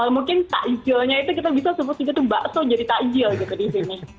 mungkin takjilnya itu kita bisa sebut juga tuh bakso jadi takjil gitu di sini